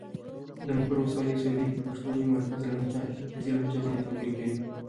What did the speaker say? د مقر ولسوالي اوسېدونکي د پښتو ژبې مرکزي لهجه باندې خبرې کوي.